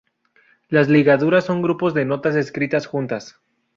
Las ligaduras son grupos de notas escritas juntas.